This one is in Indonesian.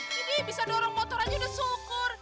jadi bisa dorong motor aja udah syukur